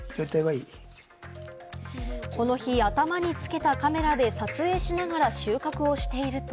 この日、頭につけたカメラで撮影しながら収穫をしていると。